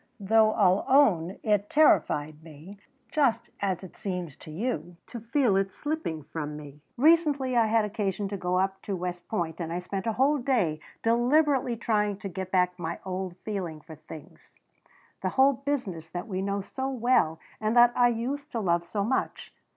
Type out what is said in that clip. "Though I'll own it terrified me, just as it seems to you, to feel it slipping from me. Recently I had occasion to go up to West Point and I spent a whole day deliberately trying to get back my old feeling for things the whole business that we know so well and that I used to love so much.